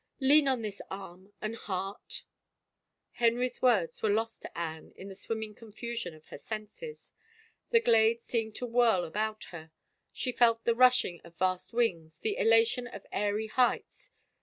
Lean on this arm and heart I " Henry's words were lost to Anne in the swimming confusion of her senses. The glade seemed to whirl about her. She felt the rushing of vast wings, the elation of airy heights.